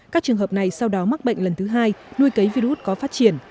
các trường hợp này sau đó mắc bệnh lần thứ hai nuôi cấy virus có phát triển